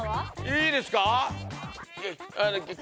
いいですか？